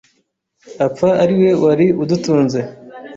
apfa ari we wari udutunze